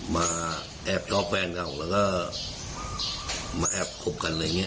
มาแอบชอบแฟนเก่าแล้วก็มาแอบคบกันอะไรอย่างนี้